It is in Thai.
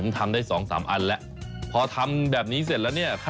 ต้องไปละครับต้องทำอย่างไรต่อ